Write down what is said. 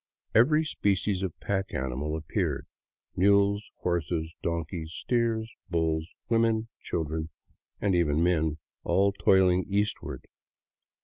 Every species of pack animal ap peared,— mules, horses, donkeys, steers, bulls, women, children, and even men, all toiling eastward.